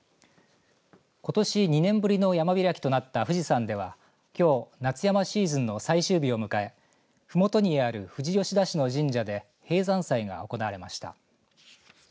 ことし２年ぶりの山開きとなった富士山ではきょう夏山シーズンの最終日を迎えふもとにある富士吉田市の神社で閉山祭が行われました。